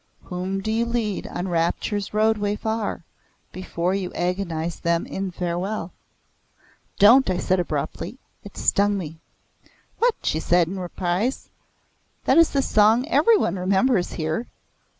Whom do you lead on Rapture's roadway far, Before you agonize them in farewell?" "Don't!" I said abruptly. It stung me. "What?" she asked in surprise. "That is the song every one remembers here.